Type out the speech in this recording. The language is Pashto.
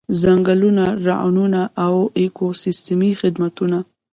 ځنګلونو رغونه د ایکوسیستمي خدمتونو.